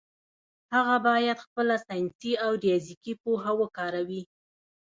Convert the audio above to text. هغه باید خپله ساینسي او ریاضیکي پوهه وکاروي.